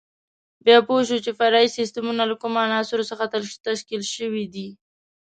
بیا پوه شو چې فرعي سیسټمونه له کومو عناصرو څخه تشکیل شوي دي.